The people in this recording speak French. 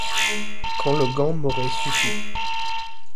Quand le gant m'aurait suffi.